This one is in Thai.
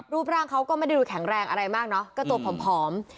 รูปร่างเขาก็ไม่ได้ดูแข็งแรงอะไรมากเนอะก็ตัวผอม